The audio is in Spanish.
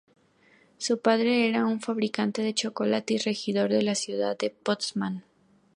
Su padre era un fabricante de chocolate y regidor de la ciudad de Potsdam.